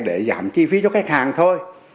để giảm chi phí cho khách hàng thôi